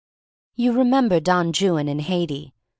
You remember Don Juan and Haidee.